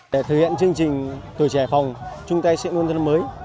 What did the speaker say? để thực hiện chương trình tuổi trẻ hải phòng trung tây sẽ nguồn thân mới